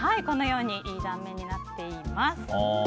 このようにいい断面になっています。